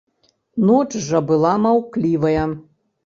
Ноч жа была маўклівая.